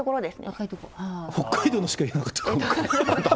北海道のしか言えなかった。